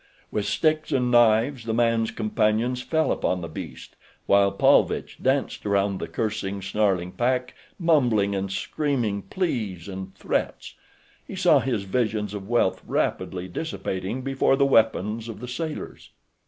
With sticks and knives the man's companions fell upon the beast, while Paulvitch danced around the cursing, snarling pack mumbling and screaming pleas and threats. He saw his visions of wealth rapidly dissipating before the weapons of the sailors.